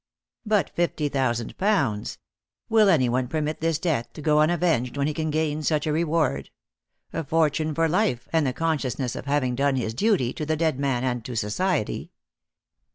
"But fifty thousand pounds! Will anyone permit this death to go unavenged when he can gain such a reward? A fortune for life, and the consciousness of having done his duty to the dead man and to society.